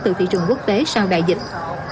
từ thị trường quốc tế sau đại dịch